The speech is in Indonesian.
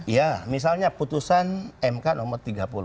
ya misalnya putusan mk nomor tiga puluh